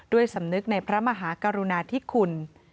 ด้วยสำนึกในพระมหากรุณาที่คุณ